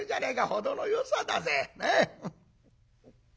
程のよさだぜ」。